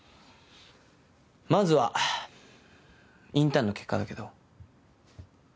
まずはインターンの結果だけど。